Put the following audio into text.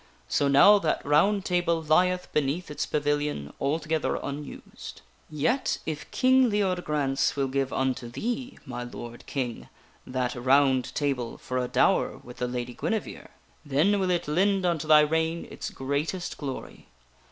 So now that ROUND TABLE lieth beneath its pavilion altogether unused. "Yet if King Leodegrance will give unto thee, my lord King, that ROUND TABLE for a dower with the Lady Guinevere, then will it lend unto thy reign its greatest glory.